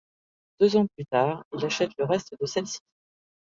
Deux ans plus tard, il achète le reste de celle-ci.